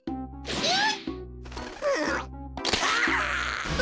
えっ？